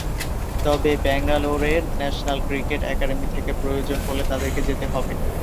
তবে ব্যাঙ্গালোরের national cricket academy থেকে প্রয়োজন পড়লে তাদেরকে যেতে হবে।